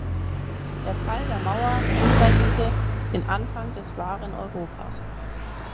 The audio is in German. Der Fall der Mauer kennzeichnete den Anfang des wahren Europas.